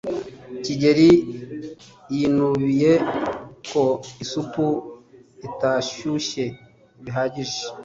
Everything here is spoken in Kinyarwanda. kigeri yinubiye ko isupu itashyushye bihagije